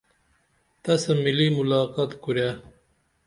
تسہ ملی ملاقت کُرے